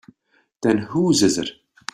Then whose is it?